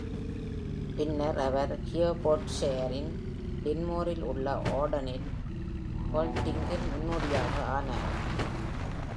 பின்னர் அவர் ஹியர்ஃபோர்ட்ஷையரின் டின்மோரில் உள்ள ஆர்டரின் ஹோல்டிங்கின் முன்னோடியாக ஆனார்.